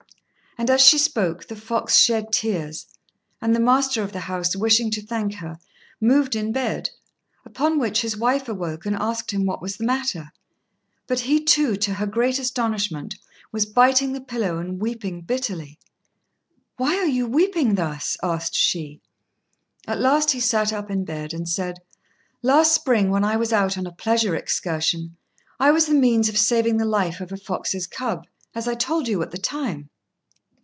And as she spoke, the fox shed tears; and the master of the house, wishing to thank her, moved in bed, upon which his wife awoke and asked him what was the matter; but he too, to her great astonishment, was biting the pillow and weeping bitterly. "Why are you weeping thus?" asked she. At last he sat up in bed, and said, "Last spring, when I was out on a pleasure excursion, I was the means of saving the life of a fox's cub, as I told you at the time.